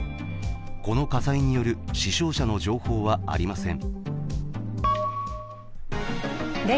この火災による死傷者の情報はありません。